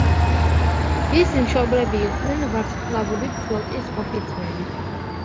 მისი მშობლები იყვნენ ვარსკვლავური ფლოტის ოფიცრები.